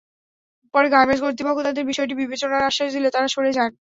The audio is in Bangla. পরে গার্মেন্টস কর্তৃপক্ষ তাঁদের বিষয়টি বিবেচনার আশ্বাস দিলে তাঁরা সরে যান।